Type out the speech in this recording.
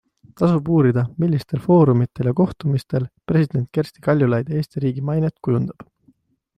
Tasub uurida, millistel foorumitel ja kohtumistel president Kersti Kaljulaid Eesti riigi mainet kujundab.